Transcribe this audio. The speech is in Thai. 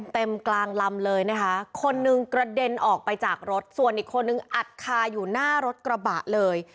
กลางลำเลยนะคะคนหนึ่งกระเด็นออกไปจากรถส่วนอีกคนนึงอัดคาอยู่หน้ารถกระบะเลย